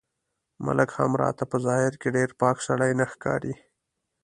ملک هم راته په ظاهر کې ډېر پاک سړی نه ښکاري.